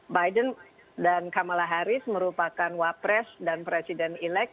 biden dan kamala harris merupakan wapres dan president elect